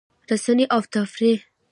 رسنۍ او تفریح